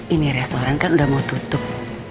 ini restoran kan udah mau tutup